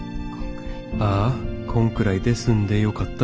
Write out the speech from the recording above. あぁこんくらいで済んでよかった